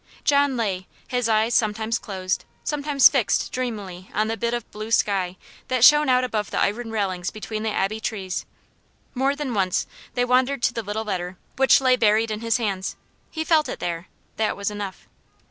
John lay, his eyes sometimes closed, sometimes fixed dreamily on the bit of blue sky that shone out above the iron railings between the Abbey trees. More than once they wandered to the little letter, which lay buried in his hands. He felt it there that was enough.